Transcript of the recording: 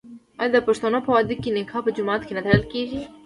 آیا د پښتنو په واده کې نکاح په جومات کې نه تړل کیږي؟